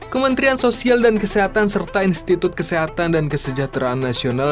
kementerian sosial dan kesehatan serta institut kesehatan dan kesejahteraan nasional